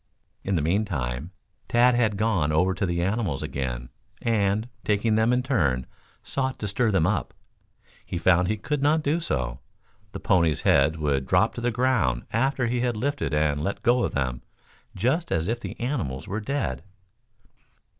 In the meantime, Tad had gone over to the animals again, and, taking them in turn, sought to stir them up. He found he could not do so. The ponies' heads would drop to the ground after he had lifted and let go of them, just as if the animals were dead.